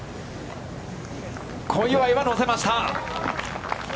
小祝は乗せました。